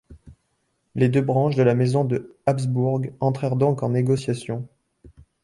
Les deux branches de la Maison de Habsbourg entrèrent donc en négociation.